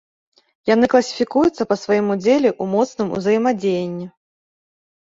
Яны класіфікуюцца па сваім удзеле ў моцным узаемадзеянні.